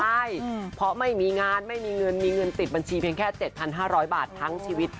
ใช่เพราะไม่มีงานไม่มีเงินมีเงินติดบัญชีเพียงแค่๗๕๐๐บาททั้งชีวิต